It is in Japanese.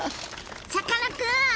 さかなクン！